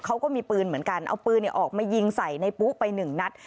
เขาก็มีปืนเหมือนกันเอาปืนออกมายิงใส่ในปุ๊ไปหนึ่งนัด